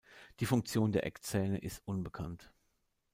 Die Funktion der Eckzähne ist unbekannt.